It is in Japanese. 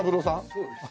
そうですね。